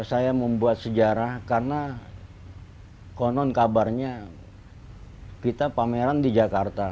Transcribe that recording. saya membuat sejarah karena konon kabarnya kita pameran di jakarta